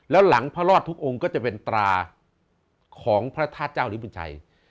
แล้วหลังพระรอดทุกองค์ก็จะเป็นตราของพระธาตุเจ้าลิบุญชัย